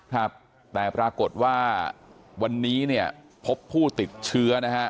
ครับแต่ปรากฏว่าวันนี้เนี่ยพบผู้ติดเชื้อนะฮะ